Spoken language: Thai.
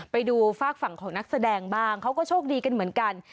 ไปดูฝากฝั่งของนักแสดงบ้างเขาก็โชคดีกันเหมือนกัน